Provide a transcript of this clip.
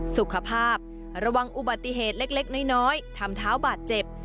สุขภาพระวังอุบัติเหตุเล็กน้อยทำเท้าบาดเจ็บ